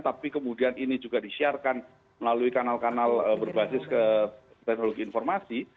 tapi kemudian ini juga disiarkan melalui kanal kanal berbasis ke teknologi informasi